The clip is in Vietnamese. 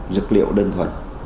dược liệu đơn thuần